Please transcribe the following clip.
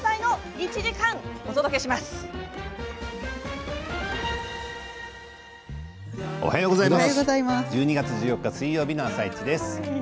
１２月１４日水曜日の「あさイチ」です。